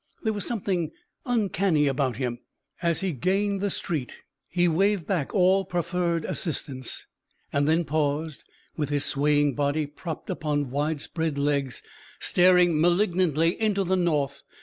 There was something uncanny about him. As he gained the street, he waved back all proffered assistance, then paused, with his swaying body propped upon widespread legs, staring malignantly into the north.